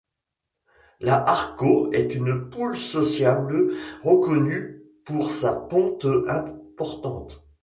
La Harco est une poule sociable reconnue pour sa ponte importante.